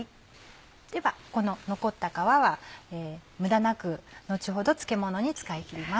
ではこの残った皮は無駄なく後ほど漬物に使い切ります。